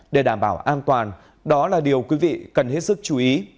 để đảm bảo an toàn đó là điều quý vị cần hết sức chú ý